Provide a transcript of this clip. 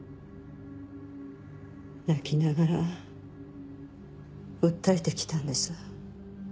泣きながら訴えて来たんです。